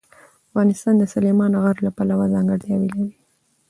افغانستان د سلیمان غر پلوه ځانګړتیاوې لري.